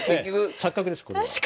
錯覚ですこれは。